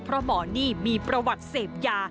เพราะหมอนี่มีประวัติเสพยา